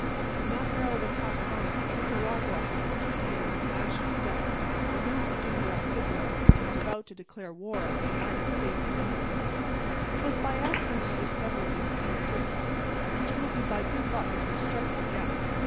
When that barrel was half gone Nicaragua had repudiated the National debt, removed the duty on cigarettes and was about to declare war on the United States and England. "'Twas by accident we discovered this king of drinks, and 'twill be by good luck if we strike it again.